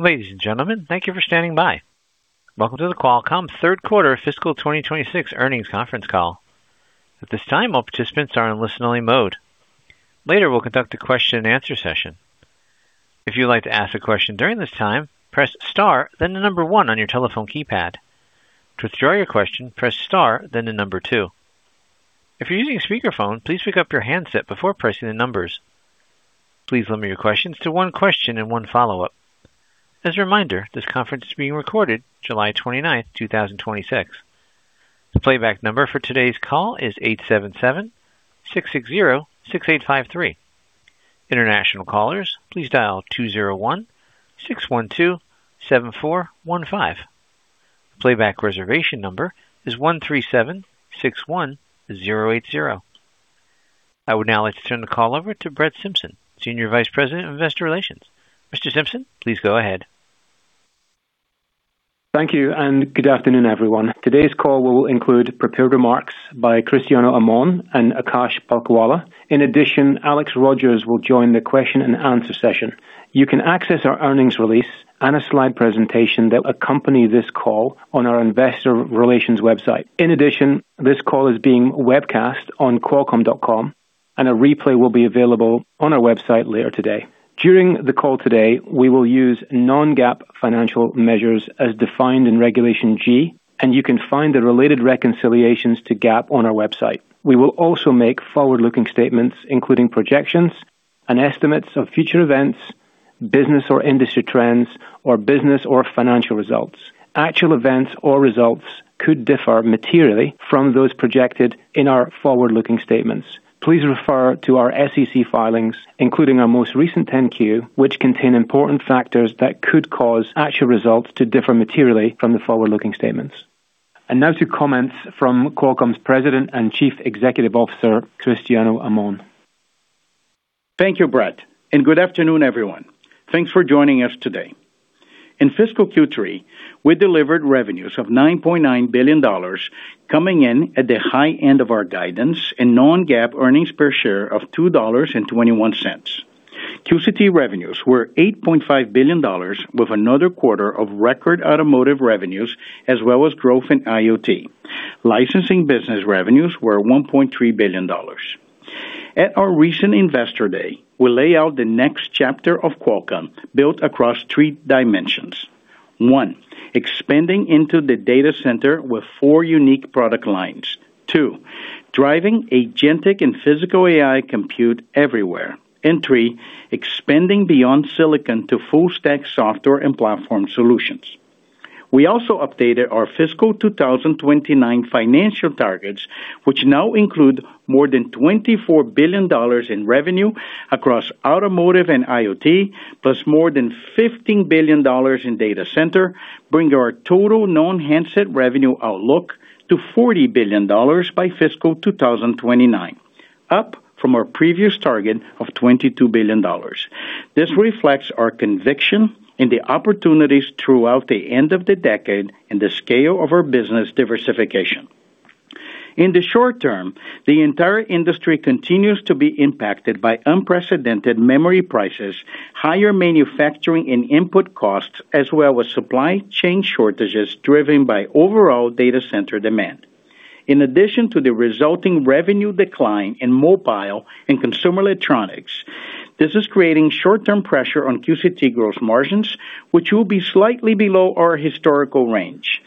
Ladies and gentlemen, thank you for standing by. Welcome to the Qualcomm Third Quarter Fiscal 2026 Earnings Conference Call. At this time, all participants are in listen-only mode. Later, we'll conduct a question and answer session. If you'd like to ask a question during this time, press star then the number one on your telephone keypad. To withdraw your question, press star then the number two. If you're using a speakerphone, please pick up your handset before pressing the numbers. Please limit your questions to one question and one follow-up. As a reminder, this conference is being recorded July 29th, 2026. The playback number for today's call is 877-660-6853. International callers, please dial 201-612-7415. The playback reservation number is 13761080. I would now like to turn the call over to Brett Simpson, Senior Vice President of Investor Relations. Mr. Simpson, please go ahead. Thank you. Good afternoon, everyone. Today's call will include prepared remarks by Cristiano Amon and Akash Palkhiwala. In addition, Alex Rogers will join the question and answer session. You can access our earnings release and a slide presentation that accompany this call on our investor relations website. In addition, this call is being webcast on qualcomm.com, and a replay will be available on our website later today. During the call today, we will use non-GAAP financial measures as defined in Regulation G, and you can find the related reconciliations to GAAP on our website. We will also make forward-looking statements, including projections and estimates of future events, business or industry trends, or business or financial results. Actual events or results could differ materially from those projected in our forward-looking statements. Please refer to our SEC filings, including our most recent 10-Q, which contain important factors that could cause actual results to differ materially from the forward-looking statements. Now to comments from Qualcomm's President and Chief Executive Officer, Cristiano Amon. Thank you, Brett, and good afternoon, everyone. Thanks for joining us today. In fiscal Q3, we delivered revenues of $9.9 billion, coming in at the high end of our guidance and non-GAAP earnings per share of $2.21. QCT revenues were $8.5 billion, with another quarter of record automotive revenues as well as growth in IoT. Licensing business revenues were $1.3 billion. At our recent Investor Day, we lay out the next chapter of Qualcomm, built across three dimensions. One, expanding into the data center with four unique product lines. Two, driving agentic and physical AI compute everywhere. Three, expanding beyond silicon to full stack software and platform solutions. We also updated our fiscal 2029 financial targets, which now include more than $24 billion in revenue across automotive and IoT, plus more than $15 billion in data center, bringing our total non-handset revenue outlook to $40 billion by fiscal 2029, up from our previous target of $22 billion. This reflects our conviction in the opportunities throughout the end of the decade and the scale of our business diversification. In the short term, the entire industry continues to be impacted by unprecedented memory prices, higher manufacturing and input costs, as well as supply chain shortages driven by overall data center demand. In addition to the resulting revenue decline in mobile and consumer electronics, this is creating short-term pressure on QCT gross margins, which will be slightly below our historical range.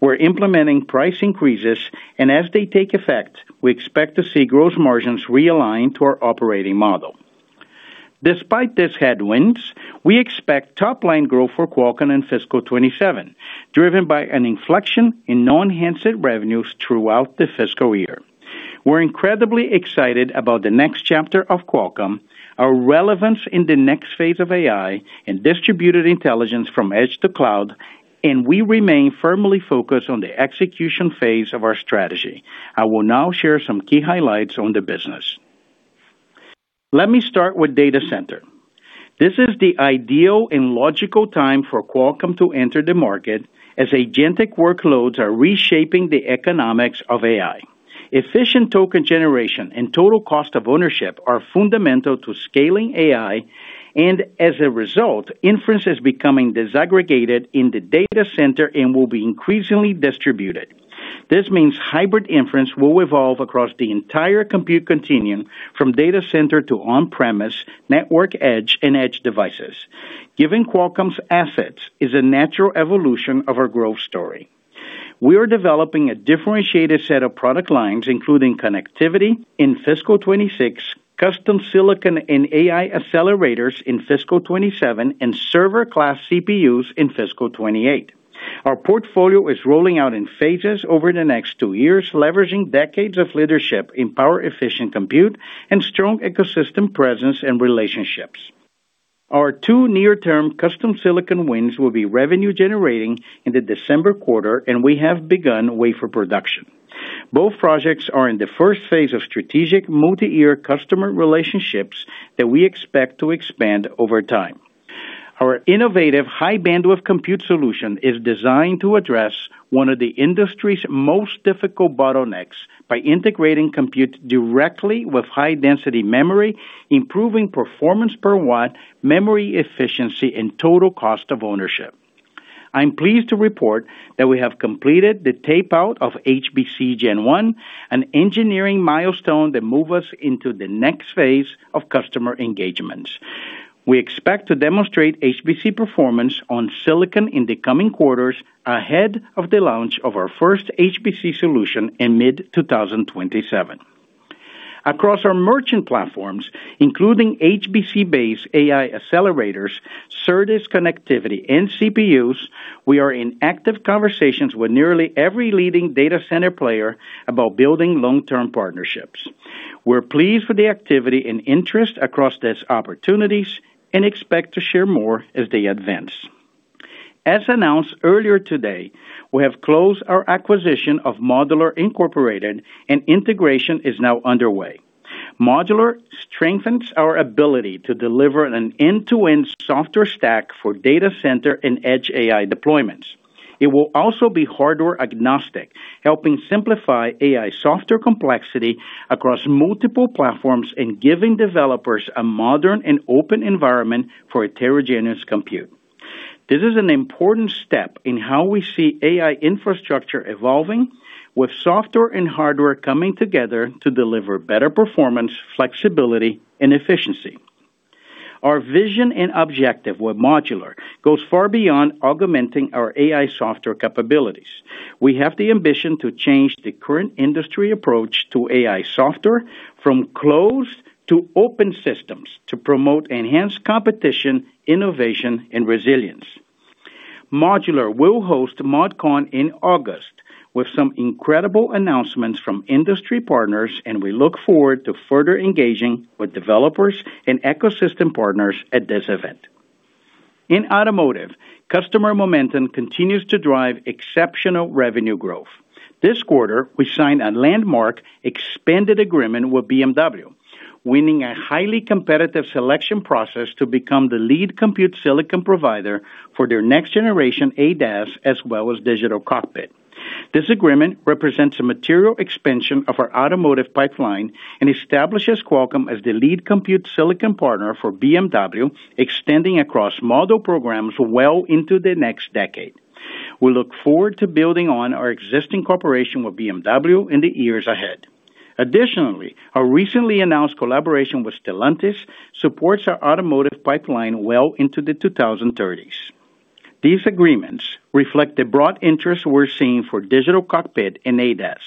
We're implementing price increases, and as they take effect, we expect to see gross margins realign to our operating model. Despite these headwinds, we expect top-line growth for Qualcomm in fiscal 2027, driven by an inflection in non-handset revenues throughout the fiscal year. We're incredibly excited about the next chapter of Qualcomm, our relevance in the next phase of AI, and distributed intelligence from edge to cloud, and we remain firmly focused on the execution phase of our strategy. I will now share some key highlights on the business. Let me start with data center. This is the ideal and logical time for Qualcomm to enter the market as agentic workloads are reshaping the economics of AI. Efficient token generation and total cost of ownership are fundamental to scaling AI, and as a result, inference is becoming disaggregated in the data center and will be increasingly distributed. This means hybrid inference will evolve across the entire compute continuum, from data center to on-premise, network edge, and edge devices. Given Qualcomm's assets, it's a natural evolution of our growth story. We are developing a differentiated set of product lines, including connectivity in fiscal 2026, custom silicon and AI accelerators in fiscal 2027, and server class CPUs in fiscal 2028. Our portfolio is rolling out in phases over the next two years, leveraging decades of leadership in power-efficient compute and strong ecosystem presence and relationships. Our two near-term custom silicon wins will be revenue-generating in the December quarter, and we have begun wafer production. Both projects are in the first phase of strategic multi-year customer relationships that we expect to expand over time. Our innovative High Bandwidth Compute solution is designed to address one of the industry's most difficult bottlenecks by integrating compute directly with high-density memory, improving performance per watt, memory efficiency, and total cost of ownership. I'm pleased to report that we have completed the tape-out of HBC Gen 1, an engineering milestone that move us into the next phase of customer engagements. We expect to demonstrate HBC performance on silicon in the coming quarters, ahead of the launch of our first HBC solution in mid-2027. Across our merchant platforms, including HBC-based AI accelerators, service connectivity, and CPUs, we are in active conversations with nearly every leading data center player about building long-term partnerships. We're pleased with the activity and interest across these opportunities and expect to share more as they advance. As announced earlier today, we have closed our acquisition of Modular Incorporated and integration is now underway. Modular strengthens our ability to deliver an end-to-end software stack for data center and edge AI deployments. It will also be hardware-agnostic, helping simplify AI software complexity across multiple platforms and giving developers a modern and open environment for a heterogeneous compute. This is an important step in how we see AI infrastructure evolving with software and hardware coming together to deliver better performance, flexibility, and efficiency. Our vision and objective with Modular goes far beyond augmenting our AI software capabilities. We have the ambition to change the current industry approach to AI software from closed to open systems to promote enhanced competition, innovation, and resilience. Modular will host ModCon in August with some incredible announcements from industry partners, and we look forward to further engaging with developers and ecosystem partners at this event. In automotive, customer momentum continues to drive exceptional revenue growth. This quarter, we signed a landmark expanded agreement with BMW, winning a highly competitive selection process to become the lead compute silicon provider for their next generation ADAS, as well as Digital Cockpit. This agreement represents a material expansion of our automotive pipeline and establishes Qualcomm as the lead compute silicon partner for BMW, extending across model programs well into the next decade. We look forward to building on our existing cooperation with BMW in the years ahead. Additionally, our recently announced collaboration with Stellantis supports our automotive pipeline well into the 2030s. These agreements reflect the broad interest we're seeing for Digital Cockpit and ADAS.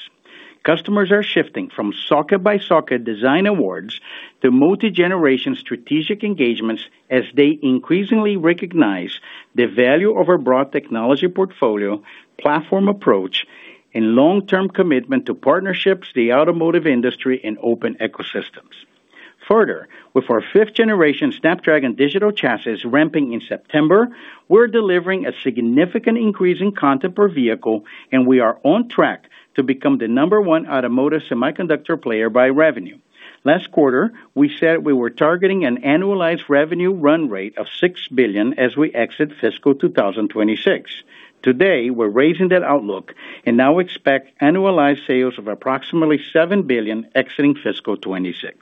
Customers are shifting from socket-by-socket design awards to multi-generation strategic engagements as they increasingly recognize the value of our broad technology portfolio, platform approach, and long-term commitment to partnerships, the automotive industry, and open ecosystems. Further, with our fifth generation Snapdragon Digital Chassis ramping in September, we're delivering a significant increase in content per vehicle. We are on track to become the number one automotive semiconductor player by revenue. Last quarter, we said we were targeting an annualized revenue run rate of $6 billion as we exit fiscal 2026. Today, we're raising that outlook and now expect annualized sales of approximately $7 billion exiting fiscal 2026.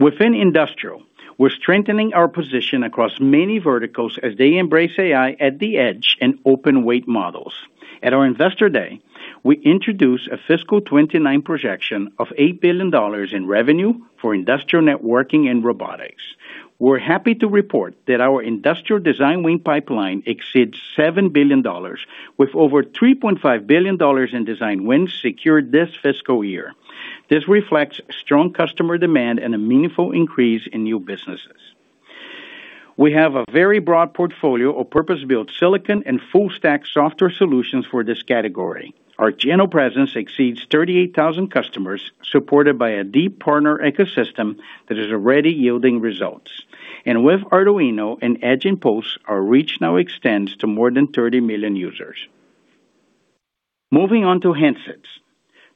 Within industrial, we're strengthening our position across many verticals as they embrace AI at the edge and open weight models. At our Investor Day, we introduced a fiscal 2029 projection of $8 billion in revenue for industrial networking and robotics. We're happy to report that our industrial design win pipeline exceeds $7 billion, with over $3.5 billion in design wins secured this fiscal year. This reflects strong customer demand and a meaningful increase in new businesses. We have a very broad portfolio of purpose-built silicon and full stack software solutions for this category. Our channel presence exceeds 38,000 customers, supported by a deep partner ecosystem that is already yielding results. With Arduino and Edge Impulse, our reach now extends to more than 30 million users. Moving on to handsets.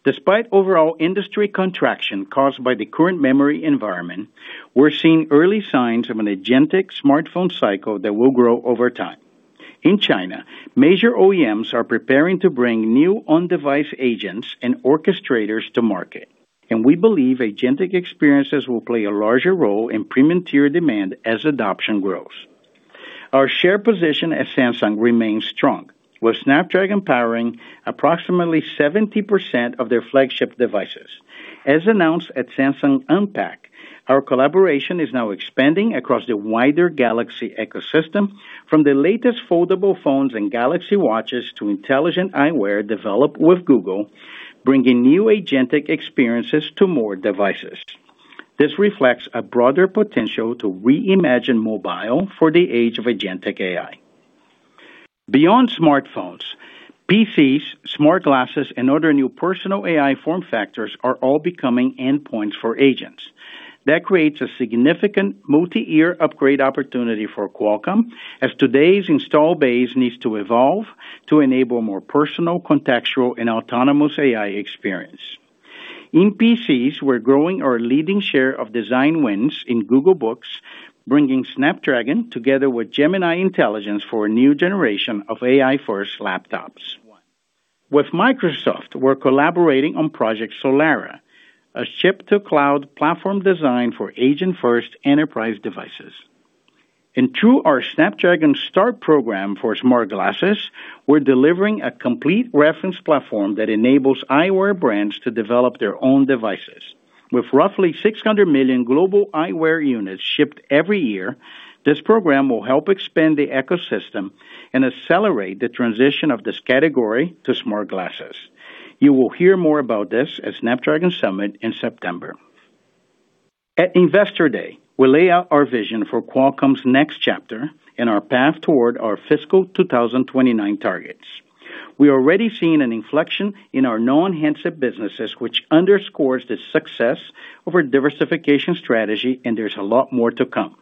Despite overall industry contraction caused by the current memory environment, we're seeing early signs of an agentic smartphone cycle that will grow over time. In China, major OEMs are preparing to bring new on-device agents and orchestrators to market. We believe agentic experiences will play a larger role in premium tier demand as adoption grows. Our share position at Samsung remains strong, with Snapdragon powering approximately 70% of their flagship devices. As announced at Samsung Unpacked, our collaboration is now expanding across the wider Galaxy ecosystem, from the latest foldable phones and Galaxy Watches to intelligent eyewear developed with Google, bringing new agentic experiences to more devices. This reflects a broader potential to reimagine mobile for the age of agentic AI. Beyond smartphones, PCs, smart glasses, and other new personal AI form factors are all becoming endpoints for agents. That creates a significant multi-year upgrade opportunity for Qualcomm, as today's install base needs to evolve to enable more personal, contextual, and autonomous AI experience. In PCs, we're growing our leading share of design wins in Chromebooks, bringing Snapdragon together with Gemini Intelligence for a new generation of AI-first laptops. With Microsoft, we're collaborating on Project Solara, a chip to cloud platform designed for agent-first enterprise devices. Through our Snapdragon START program for smart glasses, we're delivering a complete reference platform that enables eyewear brands to develop their own devices. With roughly 600 million global eyewear units shipped every year, this program will help expand the ecosystem and accelerate the transition of this category to smart glasses. You will hear more about this at Snapdragon Summit in September. At Investor Day, we lay out our vision for Qualcomm's next chapter and our path toward our fiscal 2029 targets. We are already seeing an inflection in our non-handset businesses, which underscores the success of our diversification strategy. There's a lot more to come.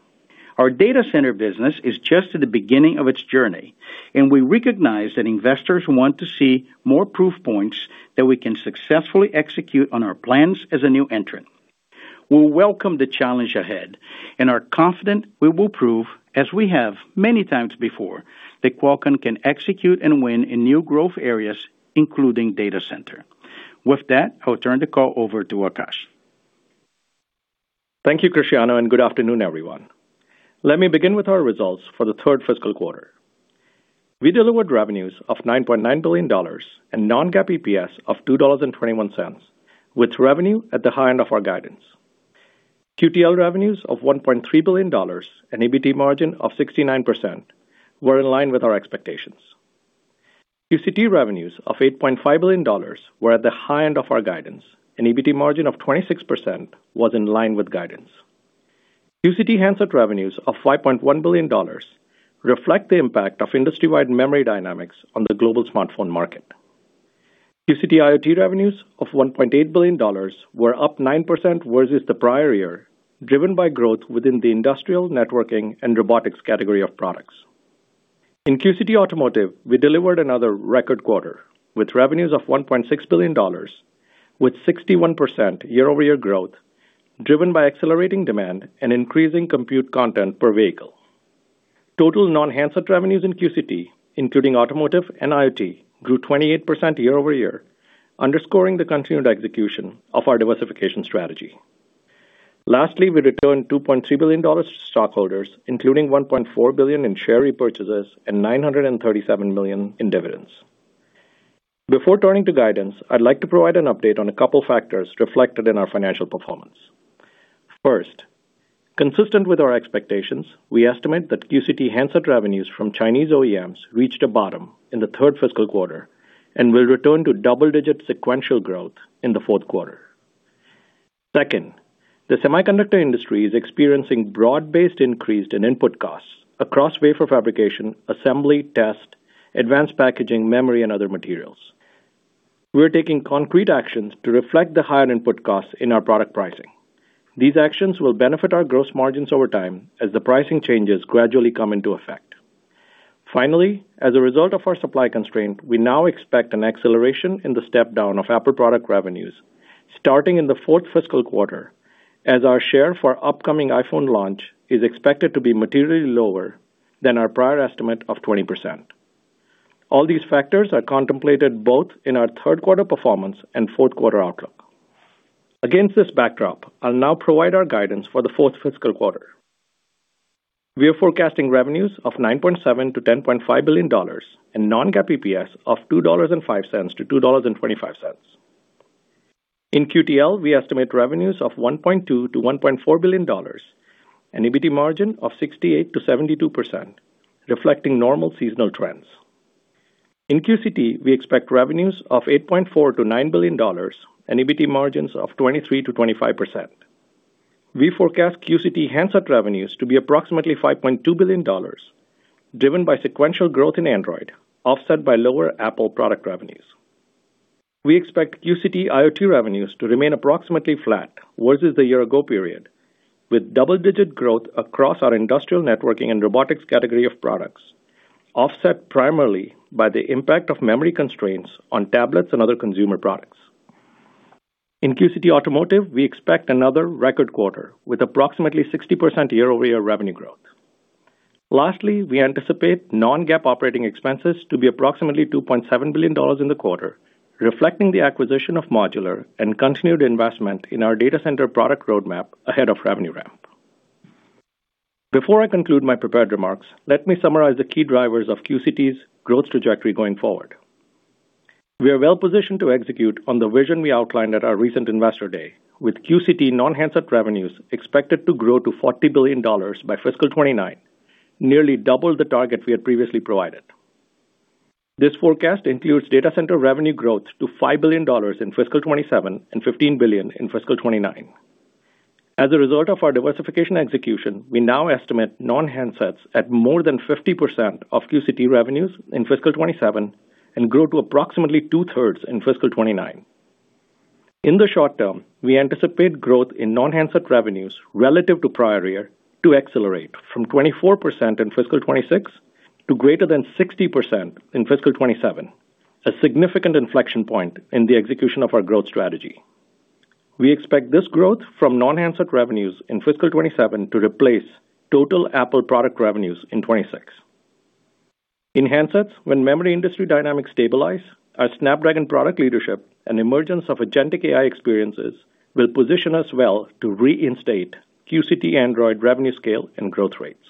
Our data center business is just at the beginning of its journey. We recognize that investors want to see more proof points that we can successfully execute on our plans as a new entrant. We welcome the challenge ahead. We are confident we will prove, as we have many times before, that Qualcomm can execute and win in new growth areas, including data center. With that, I will turn the call over to Akash. Thank you, Cristiano, and good afternoon, everyone. Let me begin with our results for the third fiscal quarter. We delivered revenues of $9.9 billion and non-GAAP EPS of $2.21, with revenue at the high end of our guidance. QTL revenues of $1.3 billion and EBT margin of 69% were in line with our expectations. QCT revenues of $8.5 billion were at the high end of our guidance, and EBT margin of 26% was in line with guidance. QCT handset revenues of $5.1 billion reflect the impact of industry-wide memory dynamics on the global smartphone market. QCT IoT revenues of $1.8 billion were up 9% versus the prior year, driven by growth within the industrial, networking, and robotics category of products. In QCT Automotive, we delivered another record quarter, with revenues of $1.6 billion, with 61% year-over-year growth, driven by accelerating demand and increasing compute content per vehicle. Total non-handset revenues in QCT, including automotive and IoT, grew 28% year-over-year, underscoring the continued execution of our diversification strategy. Lastly, we returned $2.3 billion to stockholders, including $1.4 billion in share repurchases and $937 million in dividends. Before turning to guidance, I'd like to provide an update on a couple of factors reflected in our financial performance. First, consistent with our expectations, we estimate that QCT handset revenues from Chinese OEMs reached a bottom in the third fiscal quarter and will return to double-digit sequential growth in the fourth quarter. Second, the semiconductor industry is experiencing broad-based increase in input costs across wafer fabrication, assembly, test, advanced packaging, memory, and other materials. We are taking concrete actions to reflect the higher input costs in our product pricing. These actions will benefit our gross margins over time as the pricing changes gradually come into effect. Finally, as a result of our supply constraint, we now expect an acceleration in the step-down of Apple product revenues starting in the fourth fiscal quarter, as our share for upcoming iPhone launch is expected to be materially lower than our prior estimate of 20%. All these factors are contemplated both in our third quarter performance and fourth quarter outlook. Against this backdrop, I'll now provide our guidance for the fourth fiscal quarter. We are forecasting revenues of $9.7 billion-$10.5 billion and non-GAAP EPS of $2.05-$2.25. In QTL, we estimate revenues of $1.2 billion-$1.4 billion, an EBT margin of 68%-72%, reflecting normal seasonal trends. In QCT, we expect revenues of $8.4 billion-$9 billion and EBT margins of 23%-25%. We forecast QCT handset revenues to be approximately $5.2 billion, driven by sequential growth in Android, offset by lower Apple product revenues. We expect QCT IoT revenues to remain approximately flat versus the year ago period, with double-digit growth across our industrial, networking, and robotics category of products, offset primarily by the impact of memory constraints on tablets and other consumer products. In QCT Automotive, we expect another record quarter with approximately 60% year-over-year revenue growth. Lastly, we anticipate non-GAAP operating expenses to be approximately $2.7 billion in the quarter, reflecting the acquisition of Modular and continued investment in our data center product roadmap ahead of revenue ramp. Before I conclude my prepared remarks, let me summarize the key drivers of QCT's growth trajectory going forward. We are well positioned to execute on the vision we outlined at our recent Investor Day, with QCT non-handset revenues expected to grow to $40 billion by fiscal 2029, nearly double the target we had previously provided. This forecast includes data center revenue growth to $5 billion in fiscal 2027 and $15 billion in fiscal 2029. As a result of our diversification execution, we now estimate non-handsets at more than 50% of QCT revenues in fiscal 2027 and grow to approximately 2/3 in fiscal 2029. In the short term, we anticipate growth in non-handset revenues relative to prior year to accelerate from 24% in fiscal 2026 to greater than 60% in fiscal 2027, a significant inflection point in the execution of our growth strategy. We expect this growth from non-handset revenues in fiscal 2027 to replace total Apple product revenues in 2026. In handsets, when memory industry dynamics stabilize, our Snapdragon product leadership and emergence of agentic AI experiences will position us well to reinstate QCT Android revenue scale and growth rates.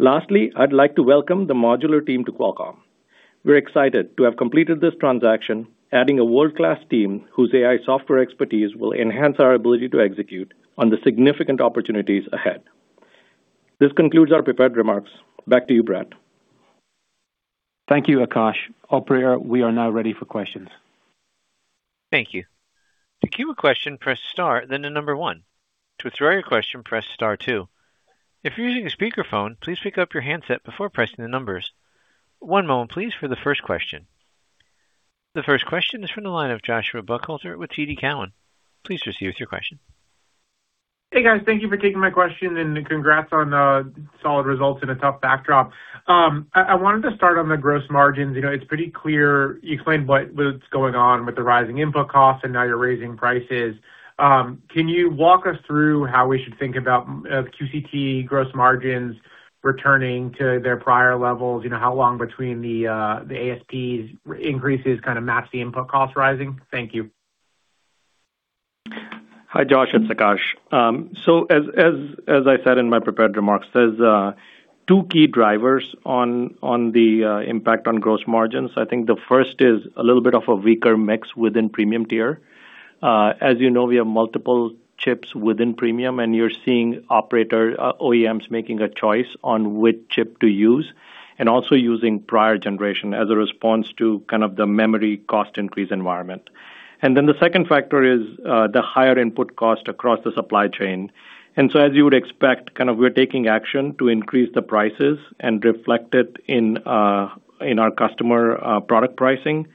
Lastly, I'd like to welcome the Modular team to Qualcomm. We're excited to have completed this transaction, adding a world-class team whose AI software expertise will enhance our ability to execute on the significant opportunities ahead. This concludes our prepared remarks. Back to you, Brett. Thank you, Akash. Operator, we are now ready for questions. Thank you. To queue a question, press star then the number one. To withdraw your question, press star two. If you're using a speakerphone, please pick up your handset before pressing the numbers. One moment, please, for the first question. The first question is from the line of Joshua Buchalter with TD Cowen. Please proceed with your question. Hey, guys. Thank you for taking my question, and congrats on the solid results in a tough backdrop. I wanted to start on the gross margins. It's pretty clear, you explained what's going on with the rising input costs and now you're raising prices. Can you walk us through how we should think about QCT gross margins returning to their prior levels? How long between the ASPs increases kind of match the input costs rising? Thank you. Hi, Josh, it's Akash. As I said in my prepared remarks, there's two key drivers on the impact on gross margins. I think the first is a little bit of a weaker mix within premium tier. As you know, we have multiple chips within premium, and you're seeing operator OEMs making a choice on which chip to use, and also using prior generation as a response to kind of the memory cost increase environment. The second factor is the higher input cost across the supply chain. As you would expect, we're taking action to increase the prices and reflect it in our customer product pricing.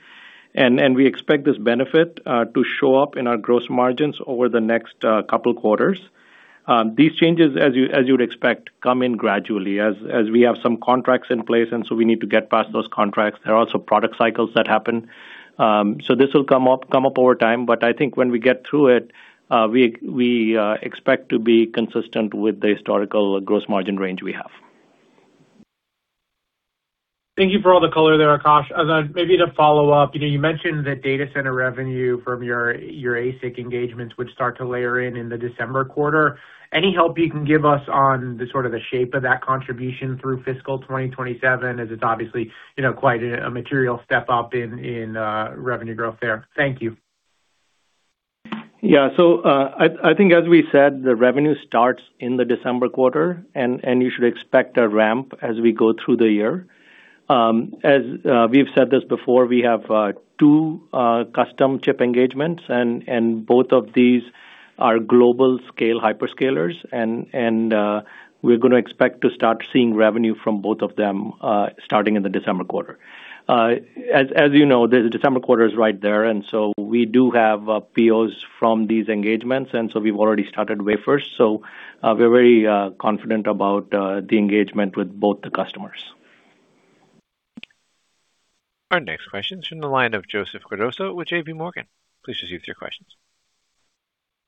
We expect this benefit to show up in our gross margins over the next couple quarters. These changes, as you would expect, come in gradually, as we have some contracts in place, and so we need to get past those contracts. There are also product cycles that happen. This will come up over time, but I think when we get through it, we expect to be consistent with the historical gross margin range we have. Thank you for all the color there, Akash. Maybe to follow up, you mentioned the data center revenue from your ASIC engagements would start to layer in in the December quarter. Any help you can give us on the sort of the shape of that contribution through fiscal 2027, as it's obviously quite a material step up in revenue growth there? Thank you. I think, as we said, the revenue starts in the December quarter. You should expect a ramp as we go through the year. We've said this before, we have two custom chip engagements. Both of these are global scale hyperscalers. We're going to expect to start seeing revenue from both of them, starting in the December quarter. As you know, the December quarter is right there. We do have POs from these engagements. We've already started wafers. We're very confident about the engagement with both the customers. Our next question's from the line of Joseph Cardoso with JPMorgan. Please proceed with your questions.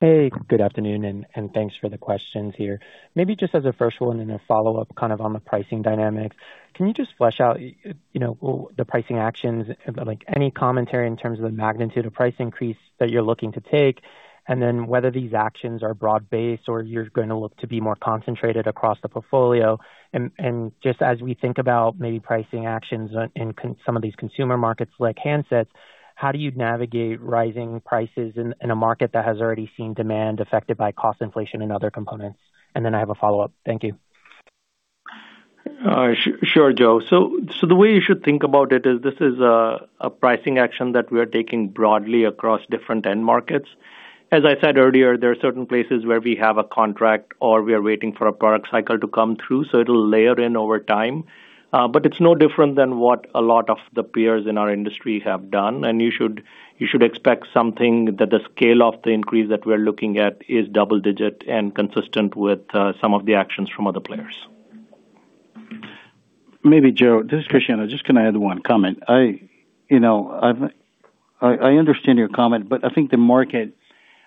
Hey, good afternoon. Thanks for the questions here. Maybe just as a first one and a follow-up kind of on the pricing dynamic. Can you just flesh out the pricing actions, like any commentary in terms of the magnitude of price increase that you're looking to take? Whether these actions are broad-based or you're going to look to be more concentrated across the portfolio. Just as we think about maybe pricing actions in some of these consumer markets, like handsets, how do you navigate rising prices in a market that has already seen demand affected by cost inflation and other components? I have a follow-up. Thank you. Sure, Joe. The way you should think about it is this is a pricing action that we are taking broadly across different end markets. As I said earlier, there are certain places where we have a contract or we are waiting for a product cycle to come through, so it'll layer in over time. It's no different than what a lot of the peers in our industry have done. You should expect something that the scale of the increase that we're looking at is double-digit and consistent with some of the actions from other players. Maybe, Joe, this is Cristiano. Can I add one comment? I understand your comment, but I think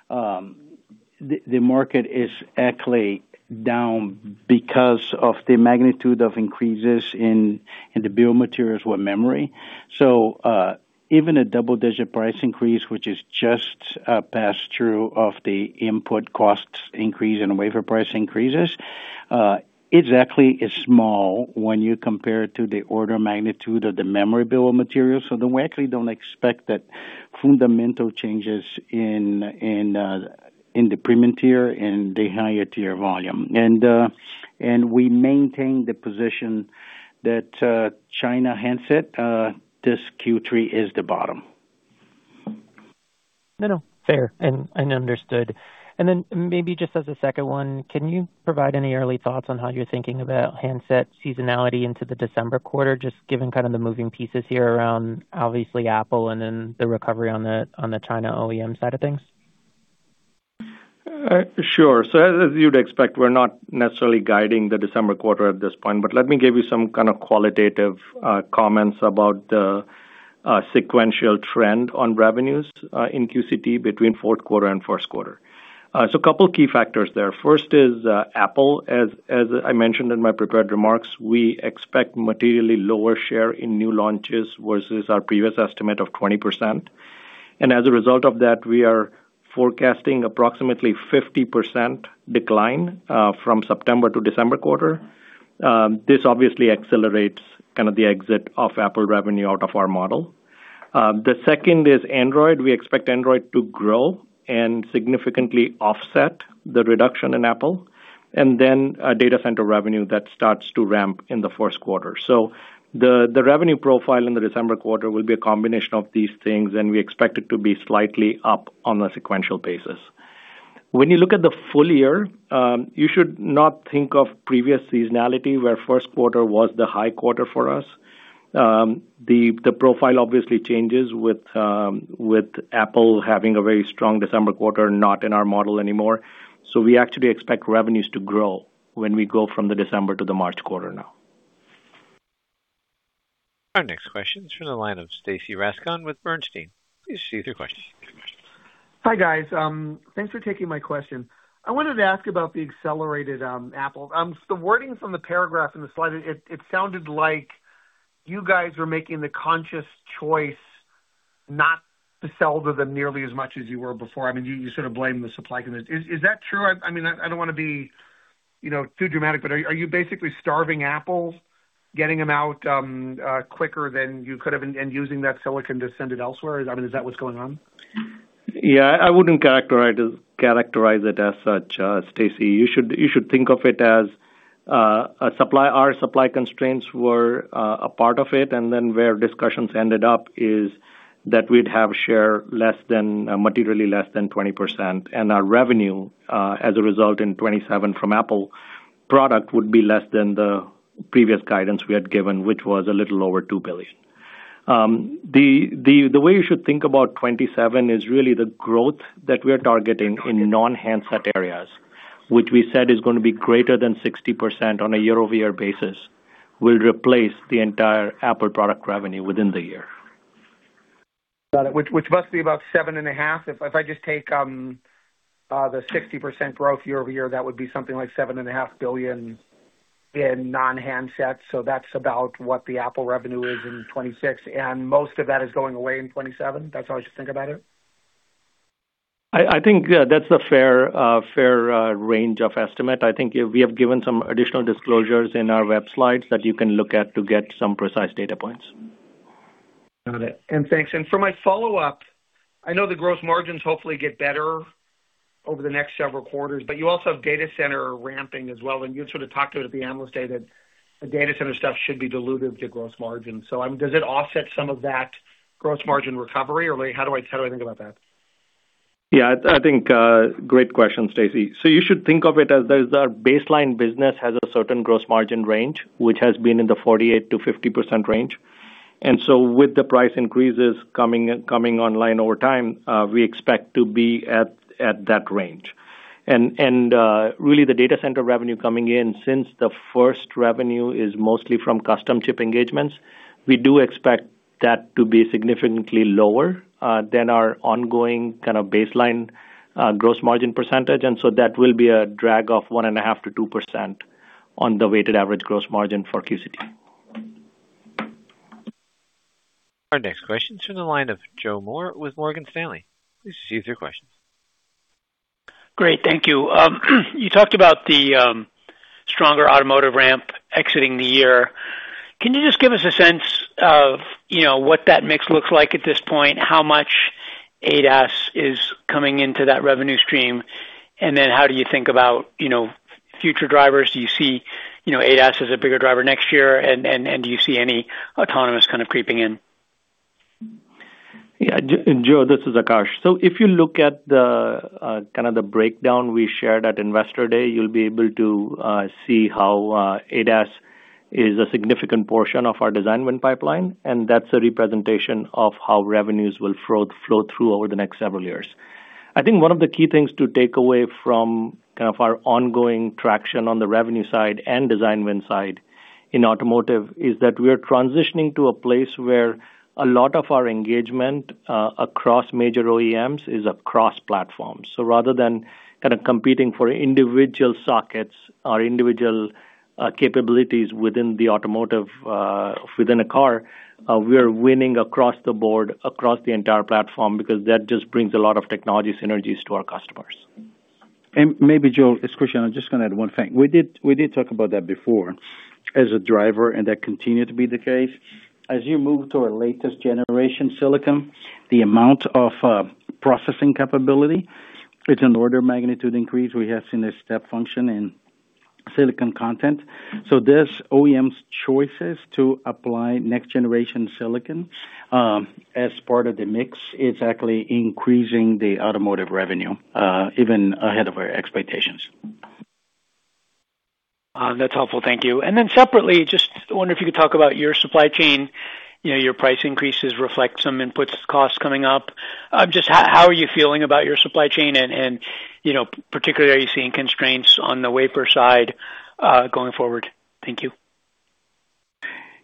the market is actually down because of the magnitude of increases in the bill of materials with memory. Even a double-digit price increase, which is just a pass-through of the input costs increase and wafer price increases, it actually is small when you compare it to the order magnitude of the memory bill of materials. We actually don't expect that fundamental changes in the premium tier and the higher tier volume. We maintain the position that China handset, this Q3 is the bottom. No, no. Fair and understood. Maybe just as a second one, can you provide any early thoughts on how you're thinking about handset seasonality into the December quarter, just given kind of the moving pieces here around obviously Apple and then the recovery on the China OEM side of things? Sure. As you'd expect, we're not necessarily guiding the December quarter at this point, but let me give you some kind of qualitative comments about the sequential trend on revenues in QCT between fourth quarter and first quarter. A couple of key factors there. First is Apple. As I mentioned in my prepared remarks, we expect materially lower share in new launches versus our previous estimate of 20%. As a result of that, we are forecasting approximately 50% decline from September to December quarter. This obviously accelerates kind of the exit of Apple revenue out of our model. The second is Android. We expect Android to grow and significantly offset the reduction in Apple, then data center revenue that starts to ramp in the first quarter. The revenue profile in the December quarter will be a combination of these things, and we expect it to be slightly up on a sequential basis. When you look at the full year, you should not think of previous seasonality, where first quarter was the high quarter for us. The profile obviously changes with Apple having a very strong December quarter, not in our model anymore. We actually expect revenues to grow when we go from the December to the March quarter now. Our next question is from the line of Stacy Rasgon with Bernstein. Please, Stacy, your question. Hi, guys. Thanks for taking my question. I wanted to ask about the accelerated Apple. The wording from the paragraph in the slide, it sounded like you guys were making the conscious choice not to sell to them nearly as much as you were before. I mean, you sort of blame the supply chain. Is that true? I don't want to be too dramatic, but are you basically starving Apple, getting them out quicker than you could have and using that silicon to send it elsewhere? I mean, is that what's going on? Yeah, I wouldn't characterize it as such, Stacy. You should think of it as our supply constraints were a part of it, and then where discussions ended up is that we'd have share materially less than 20%, and our revenue, as a result in 2027 from Apple product, would be less than the previous guidance we had given, which was a little over $2 billion. The way you should think about 2027 is really the growth that we are targeting in non-handset areas, which we said is going to be greater than 60% on a year-over-year basis, will replace the entire Apple product revenue within the year. Got it. Which must be about $7.5 billion. If I just take the 60% growth year-over-year, that would be something like $7.5 billion in non-handset. That's about what the Apple revenue is in 2026, and most of that is going away in 2027. That's how I should think about it? I think that's a fair range of estimate. I think we have given some additional disclosures in our web slides that you can look at to get some precise data points. Thanks. For my follow-up, I know the gross margins hopefully get better over the next several quarters, you also have data center ramping as well. You sort of talked about at the Investor Day that the data center stuff should be dilutive to gross margin. Does it offset some of that gross margin recovery, or how do I think about that? I think great question, Stacy. You should think of it as the baseline business has a certain gross margin range, which has been in the 48%-50% range. With the price increases coming online over time, we expect to be at that range. Really the data center revenue coming in, since the first revenue is mostly from custom chip engagements, we do expect that to be significantly lower than our ongoing kind of baseline gross margin percentage, that will be a drag of 1.5%-2% on the weighted average gross margin for QCT. Our next question's from the line of Joe Moore with Morgan Stanley. Please proceed with your question. Great. Thank you. You talked about the stronger automotive ramp exiting the year. Can you just give us a sense of what that mix looks like at this point, how much ADAS is coming into that revenue stream? How do you think about future drivers? Do you see ADAS as a bigger driver next year, and do you see any autonomous kind of creeping in? Yeah. Joe, this is Akash. If you look at the kind of the breakdown we shared at Investor Day, you'll be able to see how ADAS is a significant portion of our design win pipeline, and that's a representation of how revenues will flow through over the next several years. I think one of the key things to take away from kind of our ongoing traction on the revenue side and design win side in automotive is that we are transitioning to a place where a lot of our engagement across major OEMs is across platforms. Rather than kind of competing for individual sockets or individual capabilities within the automotive, within a car, we are winning across the board, across the entire platform because that just brings a lot of technology synergies to our customers. Maybe Joe, it's Cristiano, I'm just going to add one thing. We did talk about that before as a driver, and that continued to be the case. As you move to a latest generation silicon, the amount of processing capability, it's an order magnitude increase. We have seen a step function in silicon content. This OEM's choices to apply next generation silicon as part of the mix, it's actually increasing the automotive revenue even ahead of our expectations. That's helpful. Thank you. Separately, just wonder if you could talk about your supply chain. Your price increases reflect some inputs costs coming up. Just how are you feeling about your supply chain and particularly, are you seeing constraints on the wafer side, going forward? Thank you.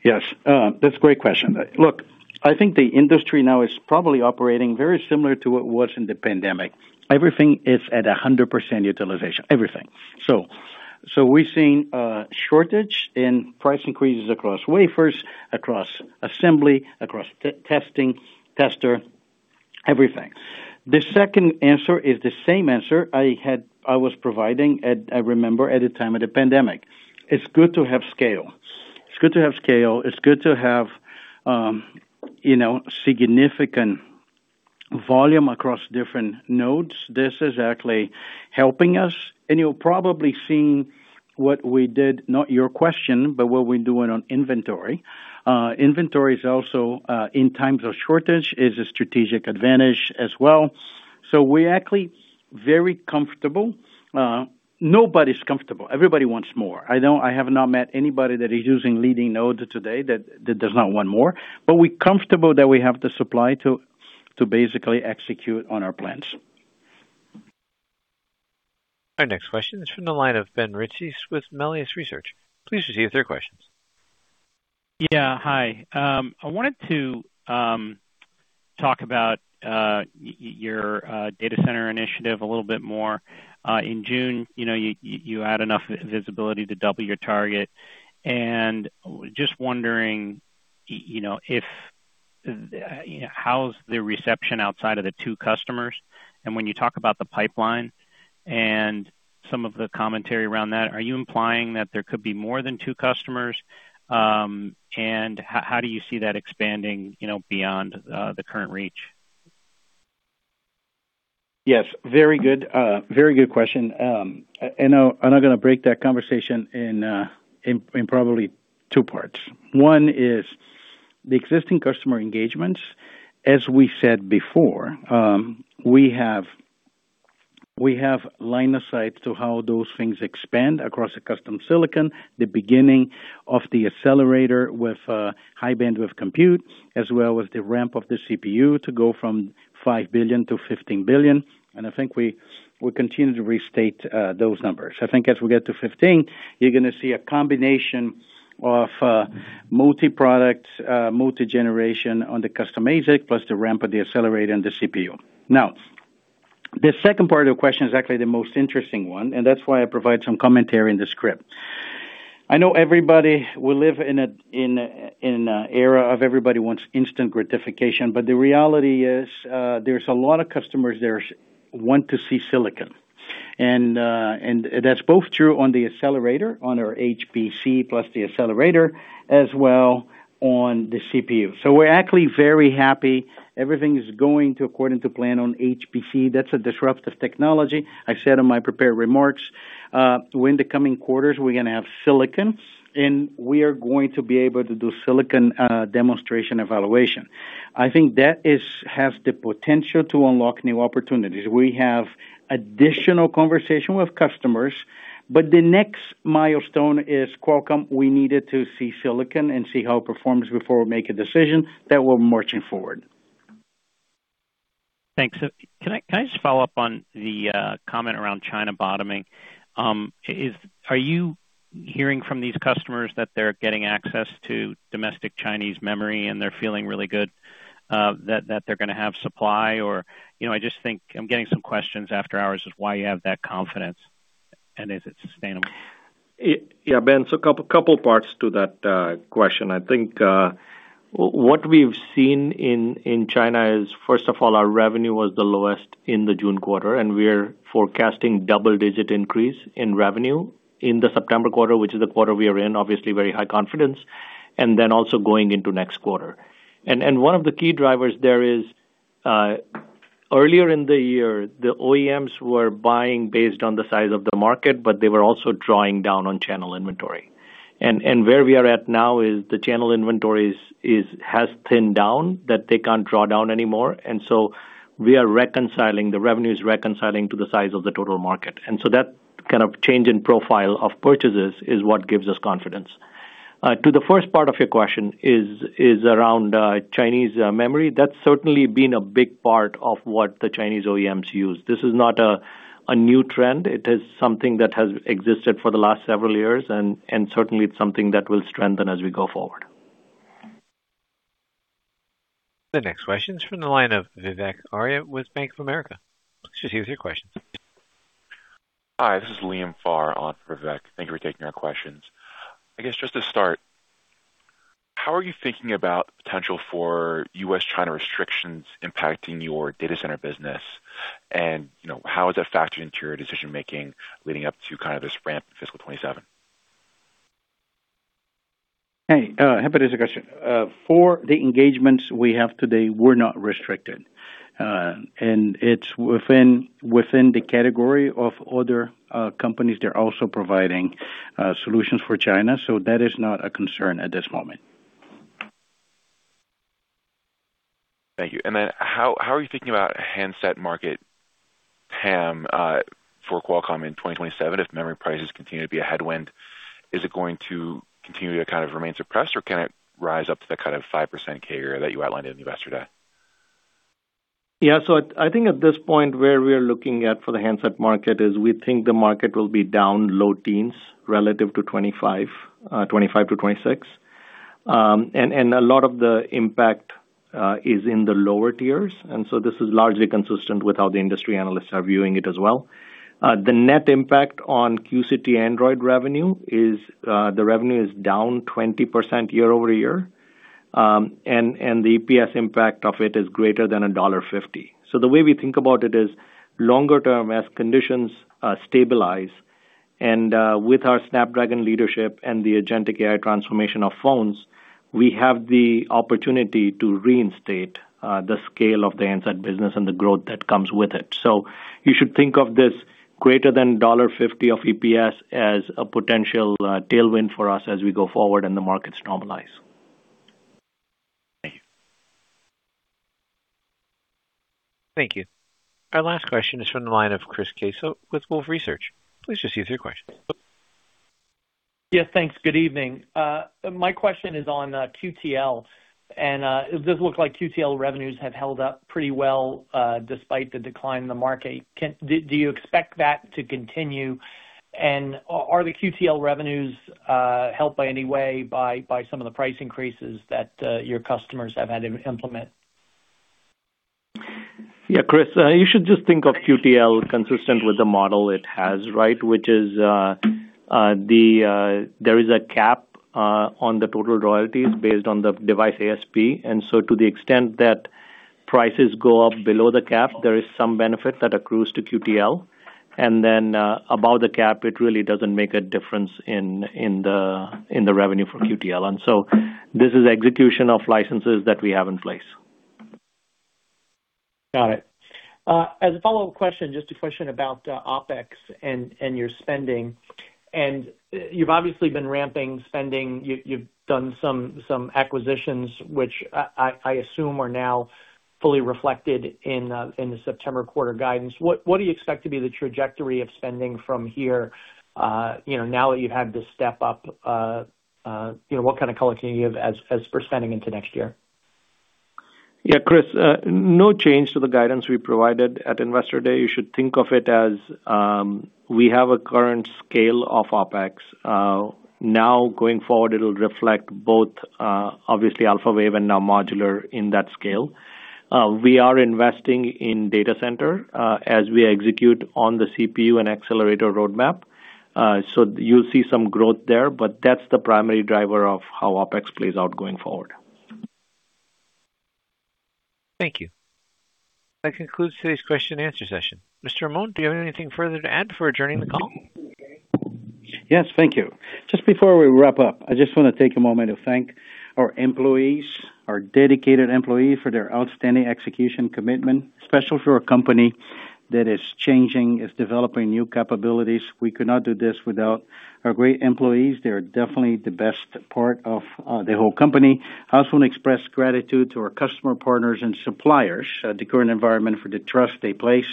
Yes. That's a great question. Look, I think the industry now is probably operating very similar to what was in the pandemic. Everything is at 100% utilization. Everything. We've seen a shortage in price increases across wafers, across assembly, across testing, tester, everything. The second answer is the same answer I was providing at, I remember, at the time of the pandemic. It's good to have scale. It's good to have scale. It's good to have significant volume across different nodes. This is actually helping us, and you're probably seeing what we did, not your question, but what we're doing on inventory. Inventory is also, in times of shortage, is a strategic advantage as well. We're actually very comfortable. Nobody's comfortable. Everybody wants more. I have not met anybody that is using leading nodes today that does not want more, but we're comfortable that we have the supply to basically execute on our plans. Our next question is from the line of Ben Reitzes with Melius Research. Please proceed with your questions. Yeah. Hi. I wanted to talk about your data center initiative a little bit more. In June, you had enough visibility to double your target. I'm just wondering how's the reception outside of the two customers, and when you talk about the pipeline and some of the commentary around that, are you implying that there could be more than two customers? How do you see that expanding beyond the current reach? Yes, very good question. I'm now going to break that conversation in probably two parts. One is the existing customer engagements. As we said before, we have line of sight to how those things expand across a custom silicon, the beginning of the accelerator with High Bandwidth Compute, as well as the ramp of the CPU to go from $5 billion to $15 billion. I think we continue to restate those numbers. I think as we get to 15, you're going to see a combination of multi-product, multi-generation on the custom ASIC, plus the ramp of the accelerator and the CPU. The second part of the question is actually the most interesting one, and that's why I provide some commentary in the script. I know everybody will live in an era of everybody wants instant gratification, the reality is, there's a lot of customers there want to see silicon. That's both true on the accelerator, on our HBC plus the accelerator, as well on the CPU. We're actually very happy everything is going according to plan on HBC. That's a disruptive technology. I said in my prepared remarks, we, in the coming quarters, we're going to have silicon, and we are going to be able to do silicon demonstration evaluation. I think that has the potential to unlock new opportunities. We have additional conversation with customers, but the next milestone is Qualcomm. We needed to see silicon and see how it performs before we make a decision that we're marching forward. Thanks. Can I just follow up on the comment around China bottoming? Are you hearing from these customers that they're getting access to domestic Chinese memory and they're feeling really good that they're going to have supply or I just think I'm getting some questions after hours of why you have that confidence and is it sustainable? Yeah. Ben, couple parts to that question. I think what we've seen in China is, first of all, our revenue was the lowest in the June quarter, we're forecasting double-digit increase in revenue in the September quarter, which is the quarter we are in, obviously very high confidence. Then also going into next quarter. One of the key drivers there is, earlier in the year, the OEMs were buying based on the size of the market, they were also drawing down on channel inventory. Where we are at now is the channel inventories has thinned down that they can't draw down anymore. We are reconciling the revenues, reconciling to the size of the total market. That kind of change in profile of purchases is what gives us confidence. To the first part of your question is around Chinese memory. That's certainly been a big part of what the Chinese OEMs use. This is not a new trend. It is something that has existed for the last several years, and certainly it's something that will strengthen as we go forward. The next question is from the line of Vivek Arya with Bank of America. Just give us your question. Hi, this is Liam Pharr on for Vivek. Thank you for taking our questions. I guess just to start, how are you thinking about potential for U.S.-China restrictions impacting your data center business? How is that factored into your decision-making leading up to kind of this ramp in fiscal 2027? Hey, happy to take the question. For the engagements we have today, we're not restricted. It's within the category of other companies that are also providing solutions for China. That is not a concern at this moment. Thank you. How are you thinking about handset market TAM for Qualcomm in 2027 if memory prices continue to be a headwind? Is it going to continue to kind of remain suppressed or can it rise up to the kind of 5% carrier that you outlined in Investor Day? Yeah. I think at this point, where we're looking at for the handset market is we think the market will be down low teens relative to 2025 to 2026. A lot of the impact is in the lower tiers, this is largely consistent with how the industry analysts are viewing it as well. The net impact on QCT Android revenue is, the revenue is down 20% year-over-year. The EPS impact of it is greater than $1.50. The way we think about it is longer term, as conditions stabilize and with our Snapdragon leadership and the agentic AI transformation of phones, we have the opportunity to reinstate the scale of the handset business and the growth that comes with it. You should think of this greater than $1.50 of EPS as a potential tailwind for us as we go forward and the markets normalize. Thank you. Thank you. Our last question is from the line of Chris Caso with Wolfe Research. Please just use your question. Yes, thanks. Good evening. My question is on QTL. Does this look like QTL revenues have held up pretty well, despite the decline in the market? Do you expect that to continue? Are the QTL revenues helped by any way by some of the price increases that your customers have had to implement? Yeah, Chris, you should just think of QTL consistent with the model it has, right? Which is, there is a cap on the total royalties based on the device ASP. To the extent that prices go up below the cap, there is some benefit that accrues to QTL. Above the cap, it really doesn't make a difference in the revenue for QTL. This is execution of licenses that we have in place. Got it. As a follow-up question, just a question about OpEx and your spending. You've obviously been ramping spending. You've done some acquisitions which I assume are now fully reflected in the September quarter guidance. What do you expect to be the trajectory of spending from here now that you've had this step up? What kind of color can you give as for spending into next year? Yeah, Chris, no change to the guidance we provided at Investor Day. You should think of it as, we have a current scale of OpEx. Going forward, it'll reflect both, obviously, Alphawave and now Modular in that scale. We are investing in data center as we execute on the CPU and accelerator roadmap. You'll see some growth there, but that's the primary driver of how OpEx plays out going forward. Thank you. That concludes today's question and answer session. Mr. Amon, do you have anything further to add before adjourning the call? Yes, thank you. Just before we wrap up, I just want to take a moment to thank our employees, our dedicated employees for their outstanding execution commitment, especially for a company that is changing, is developing new capabilities. We could not do this without our great employees. They are definitely the best part of the whole company. I also want to express gratitude to our customer partners and suppliers at the current environment for the trust they place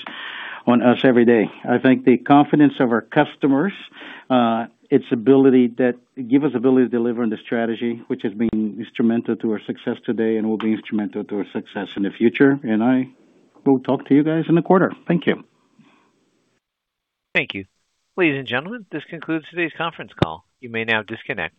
on us every day. I thank the confidence of our customers. It give us ability to deliver on the strategy which has been instrumental to our success today and will be instrumental to our success in the future. I will talk to you guys in the quarter. Thank you. Thank you. Ladies and gentlemen, this concludes today's conference call. You may now disconnect.